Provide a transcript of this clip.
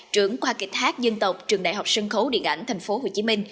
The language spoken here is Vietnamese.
trưởng khoa kịch hát dân tộc trường đại học sân khấu điện ảnh tp hcm